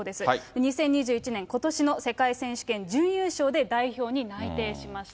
２０２１年、ことしの世界選手権準優勝で代表に内定しました。